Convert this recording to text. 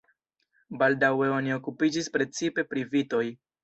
Baldaŭe oni okupiĝis precipe pri vitoj.